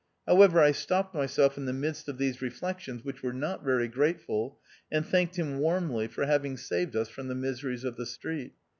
However, I stopped myself in the midst of these reflections, which were not very grateful, and thanked him warmly for having saved us from the miseries of the street.